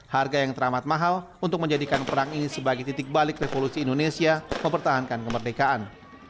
harga yang teramat mahal untuk menjadikan perang ini sebagai titik balik revolusi indonesia mempertahankan kemerdekaan